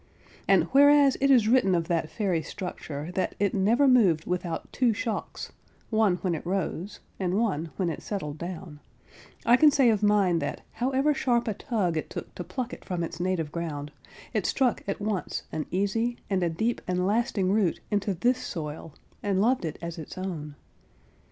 And whereas it is written of that fairy structure that it never moved without two shocks—one when it rose, and one when it settled down—I can say of mine that, however sharp a tug it took to pluck it from its native ground, it struck at once an easy, and a deep and lasting root into this soil; and loved it as its own.